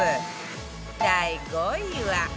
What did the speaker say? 第５位は